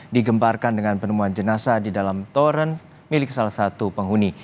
digembarkan dengan penemuan jenasa di dalam torren milik salah satu penghuni